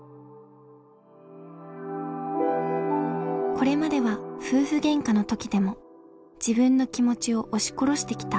これまでは夫婦げんかの時でも自分の気持ちを押し殺してきた。